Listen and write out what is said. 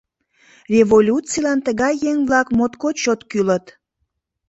Революцийлан тыгай еҥ-влак моткоч чот кӱлыт!